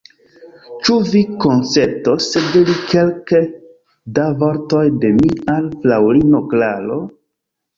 Ĉu vi konsentos diri kelke da vortoj de mi al fraŭlino Klaro?